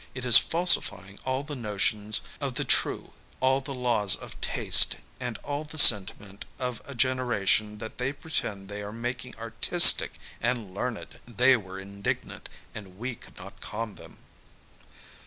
It is falsifying all the notions of the true, all the laws of taste, and all the sentiment of a gen eration that they pretend they are making artistic and learned !They were indignant, and we could not calm them.